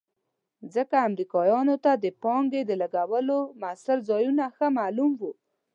ځکه امریکایانو ته د پانګې د لګولو مؤثر ځایونه ښه معلوم وو.